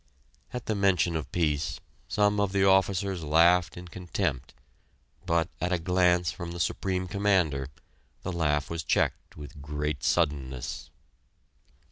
At the mention of peace, some of the officers laughed in contempt, but at a glance from the Supreme Commander, the laugh was checked with great suddenness!